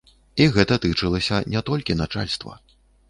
І гэта тычылася не толькі начальства.